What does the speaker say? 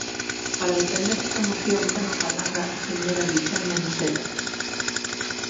Para defender esta moción ten a palabra a señora Vixande Noceda.